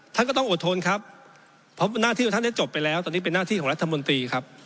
ท่านก็ต้องอดทนครับเพราะหน้าที่ของท่านเนี่ยจบไปแล้วตอนนี้เป็นหน้าที่ของรัฐมนตรีครับ